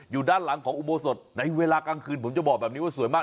อยู่ด้านหลังของอุโบสถในเวลากลางคืนผมจะบอกแบบนี้ว่าสวยมาก